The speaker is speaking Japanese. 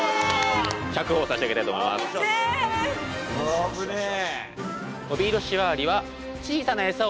危ねえ。